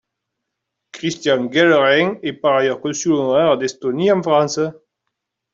Christian Guellerin est par ailleurs Consul Honoraire d’Estonie en France.